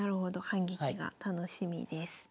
反撃が楽しみです。